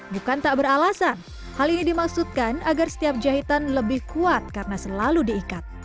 bukan tak beralasan hal ini dimaksudkan agar setiap jahitan lebih kuat karena selalu diikat